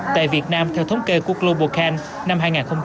tại việt nam theo thống kê của global can năm hai nghìn hai mươi